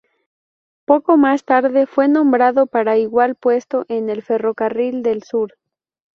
Poco más tarde fue nombrado para igual puesto en el Ferrocarril del Sur.